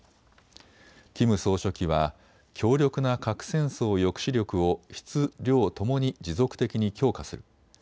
キム総書記は強力な核戦争抑止力を質、量ともに持続的に強化する。